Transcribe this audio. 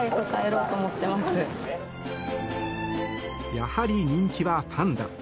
やはり人気はパンダ。